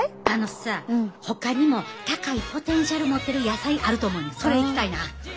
あのさほかにも高いポテンシャル持ってる野菜あると思うねんそれいきたいな。